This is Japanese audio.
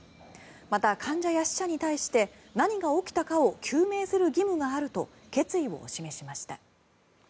また、患者や死者に対して何が起きたかを究明する義務があると決意を示しました。